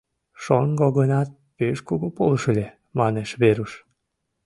— Шоҥго гынат, пеш кугу полыш ыле, — манеш Веруш.